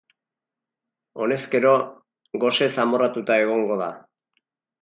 Honezkero, gosez amorratuta egongo da.